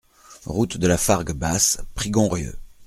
Route de la Fargue Basse, Prigonrieux